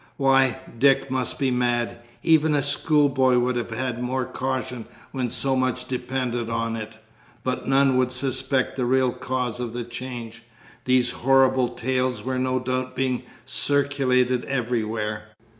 Why, Dick must be mad. Even a schoolboy would have had more caution when so much depended on it. But none would suspect the real cause of the change. These horrible tales were no doubt being circulated everywhere!